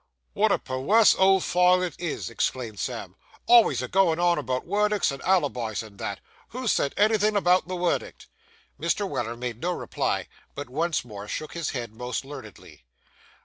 'Wot a perwerse old file it is!' exclaimed Sam, 'always a goin' on about werdicks and alleybis and that. Who said anything about the werdick?' Mr. Weller made no reply, but once more shook his head most learnedly.